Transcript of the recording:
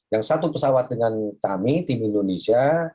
yang satu pesawat dengan kami tim indonesia